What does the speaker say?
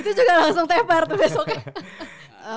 itu juga langsung tepar tuh besoknya